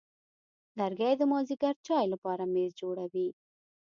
لرګی د مازېګر چای لپاره میز جوړوي.